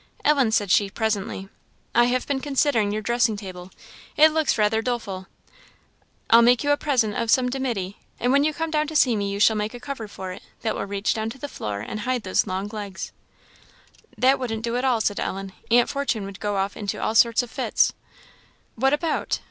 "Ellen," said she, presently, "I have been considering your dressing table. It looks rather doleful. I'll make you a present of some dimity, and when you come to see me you shall make a cover for it, that will reach down to the floor and hide those long legs." "That wouldn't do at all," said Ellen; "Aunt Fortune would go off into all sorts of fits." "What about?"